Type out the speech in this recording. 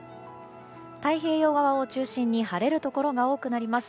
太平洋側を中心に晴れるところが多くなります。